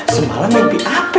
semalam mimpi ape